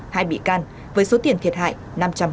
hai bị can với số tiền thiệt hại năm trăm hai mươi tám triệu đồng